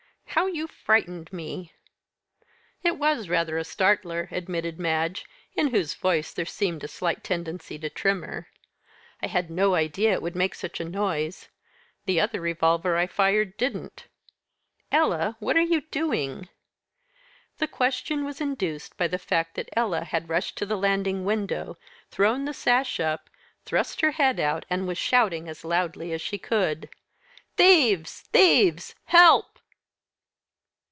How you frightened me!" "It was rather a startler," admitted Madge, in whose voice there seemed a slight tendency to tremor. "I'd no idea it would make such a noise the other revolver I fired didn't. Ella! what are you doing?" The question was induced by the fact that Ella had rushed to the landing window, thrown the sash up, thrust her head out, and was shouting as loudly as she could: "Thieves! thieves! help!"